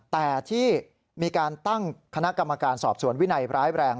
แต่ที่มีการตั้งคณะกรรมการสอบสวนวินัยร้ายแรง